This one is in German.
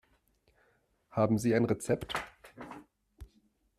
Haben Sie ein Rezept?